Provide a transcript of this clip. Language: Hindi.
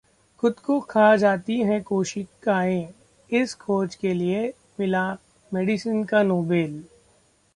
'खुद को खा जाती हैं कोशिकाएं'...इस खोज के लिए मिला मेडिसिन का नोबेल